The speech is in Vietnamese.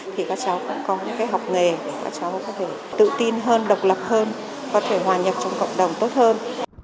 thì các cháu cũng có những học nghề để các cháu có thể tự tin hơn độc lập hơn có thể hòa nhập trong cộng đồng tốt hơn